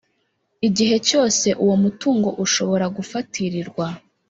igihe cyose uwo mutungo ushobora gufatirirwa